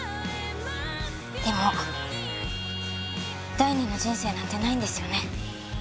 でも第二の人生なんてないんですよね。